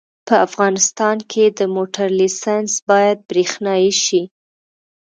په افغانستان کې د موټر لېسنس باید برېښنایي شي